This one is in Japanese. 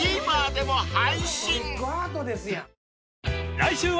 ［来週は］